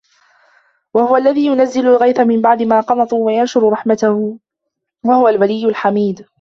وَهُوَ الَّذي يُنَزِّلُ الغَيثَ مِن بَعدِ ما قَنَطوا وَيَنشُرُ رَحمَتَهُ وَهُوَ الوَلِيُّ الحَميدُ